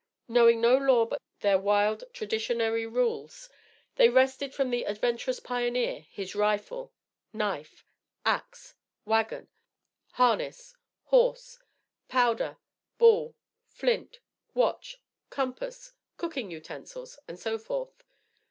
Knowing no law but their wild traditionary rules, they wrested from the adventurous pioneer, his rifle, knife, axe, wagon, harness, horse, powder, ball, flint, watch, compass, cooking utensils, and so forth.